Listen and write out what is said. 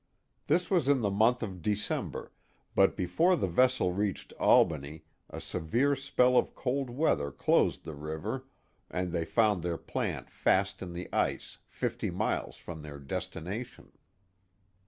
This was in the month of December, but before the vessel reached Albany a severe spell of cold weather closed the river and they found their plant fast in the ice fifty miles from their destination.